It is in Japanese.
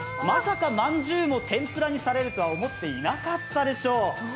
まさかまんじゅうも天ぷらにされるとは思っていなかったでしょう。